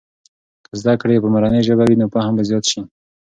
که زده کړې په مورنۍ ژبې وي، نو فهم به زيات سي.